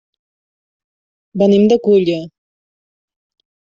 Venim de Culla.